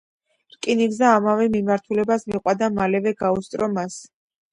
რკინიგზა იმავე მიმართულებას მიჰყვა და მალევე გაუსწრო მას.